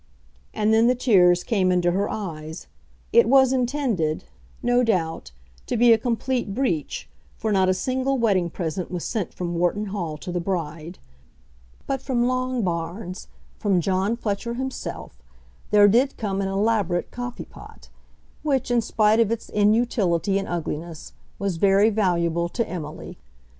And then the tears came into her eyes. It was intended, no doubt, to be a complete breach, for not a single wedding present was sent from Wharton Hall to the bride. But from Longbarns, from John Fletcher himself, there did come an elaborate coffee pot, which, in spite of its inutility and ugliness, was very valuable to Emily.